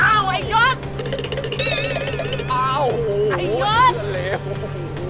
อ้าวไอ้ยุทธฝันไปแล้วโอ้โฮไอ้ยุทธเลว